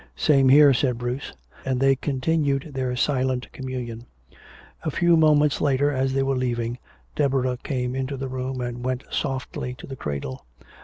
"Same here," said Bruce. And they continued their silent communion. A few moments later, as they were leaving, Deborah came into the room and went softly to the cradle.